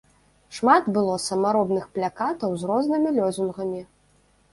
Шмат было самаробных плакатаў з рознымі лозунгамі.